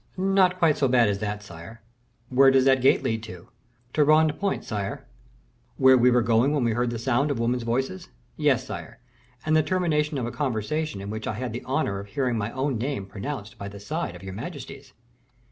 "Not quite so bad as that, sire." "Where does that gate lead to?" "To Rond Point, sire." "Where were we going when we heard the sound of women's voices?" "Yes, sire, and the termination of a conversation in which I had the honor of hearing my own name pronounced by the side of your majesty's."